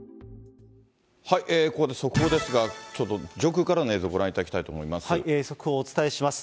ここで速報ですが、ちょっと上空からの映像、ご覧いただきた速報をお伝えします。